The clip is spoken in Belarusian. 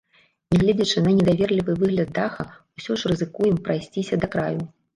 Нягледзячы на недаверлівы выгляд даха, усё ж рызыкуем прайсціся да краю.